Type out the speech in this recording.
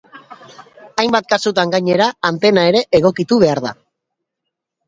Hainbat kasutan, gainera, antena ere egokitu behar da.